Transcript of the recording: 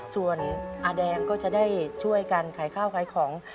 ส่วนอาแดงก็จะได้ช่วยกันขายข้าวขายของ